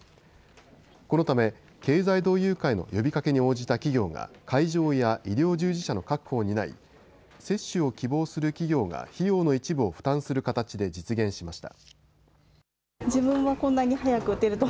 このため経済同友会の呼びかけに応じた企業が会場や医療従事者の確保を担い接種を希望する企業が費用の一部を負担する形で実現しました。